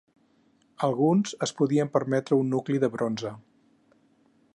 Alguns es podien permetre un nucli de bronze.